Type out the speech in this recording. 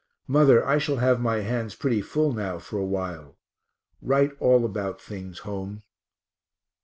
Mother, I shall have my hands pretty full now for a while write all about things home.